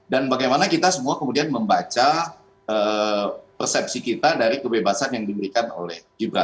dan bagaimana kita semua kemudian membaca persepsi kita dari kebebasan yang diberikan oleh gibrat